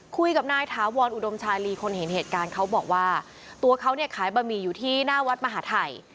คุยกับนายถาวรอุดมชาลีคนเห็นเหตุการณ์เขาบอกว่าตัวเขาเนี่ยขายบะหมี่อยู่ที่หน้าวัดมหาทัย